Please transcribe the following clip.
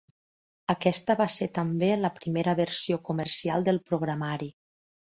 Aquesta va ser també la primera versió comercial del programari.